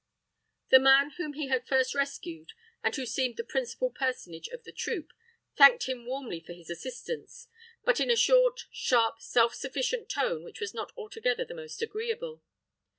The man whom he had first rescued, and who seemed the principal personage of the troop, thanked him warmly for his assistance, but in a short, sharp, self sufficient tone which was not altogether the most agreeable.